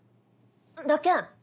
だっけん。